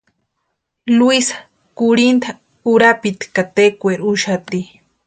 Luisa kurhinta urapiti ka tekweri úxati.